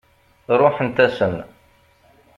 Ṛuḥent-asen.